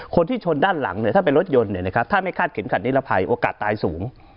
คนที่ชนด้านหลังถ้าเป็นรถยนต์ถ้าไม่คาดเข็มขัดนิรภัยโอกาสตายสูง